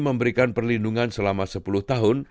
memberikan perlindungan selama sepuluh tahun